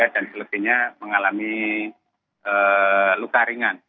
dan selebihnya mengalami luka ringan